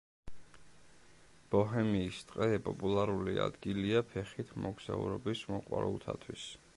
ბოჰემიის ტყე პოპულარული ადგილია ფეხით მოგზაურობის მოყვარულთათვის.